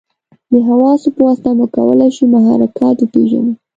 د حواسو په واسطه موږ کولای شو محرکات وپېژنو.